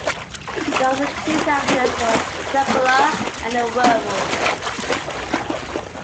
The other two characters were Dracula and the Werewolf.